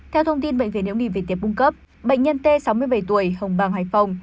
theo thông tin bệnh viện hiếu nghị việt tiếp bung cấp bệnh nhân t sáu mươi bảy tuổi hồng bang hải phòng